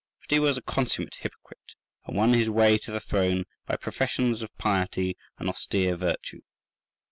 But he was a consummate hypocrite, and won his way to the throne by professions of piety and austere virtue.